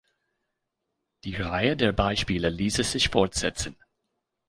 Die Reihe der Beispiele ließe sich fortsetzen.